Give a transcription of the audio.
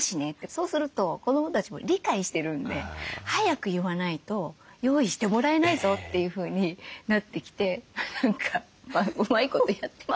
そうすると子どもたちも理解してるんで早く言わないと用意してもらえないぞというふうになってきて何かうまいことやってますけど。